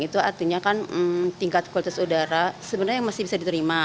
itu artinya kan tingkat kualitas udara sebenarnya masih bisa diterima